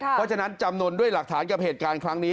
เพราะฉะนั้นจำนวนด้วยหลักฐานกับเหตุการณ์ครั้งนี้